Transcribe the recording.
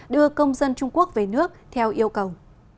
đưa công dân trung quốc về nước theo yêu cầu